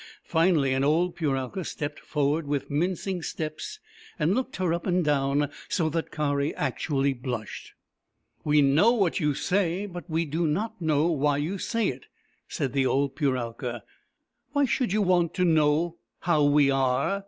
Finally an old Puralka stepped forward with mincing steps and looked her up and down, so that Kari actually blushed. " We know what you say, but we do not know why you say it," said the old Puralka. " Why should you want to know how we are